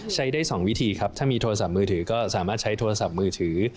ใช้ได้๒วิธีครับถ้ามีโทรศัพท์มือถือก็สามารถใช้โทรศัพท์มือถือ